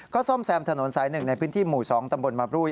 ซ่อมแซมถนนสาย๑ในพื้นที่หมู่๒ตำบลมาบรุย